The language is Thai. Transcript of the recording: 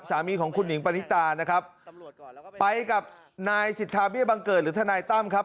สามีของคุณหนิงปณิตานะครับไปกับนายสิทธาเบี้ยบังเกิดหรือทนายตั้มครับ